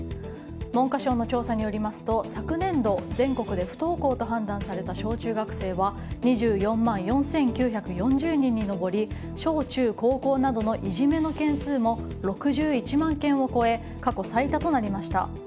文科省の調査によりますと昨年度、全国で不登校と判断された小中学生は２４万４９４０人に上り小・中・高校などのいじめの件数も６１万件を超え過去最多となりました。